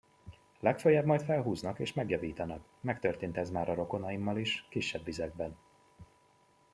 Legföljebb majd felhúznak és megjavítanak, megtörtént ez már a rokonaimmal is, kisebb vizekben.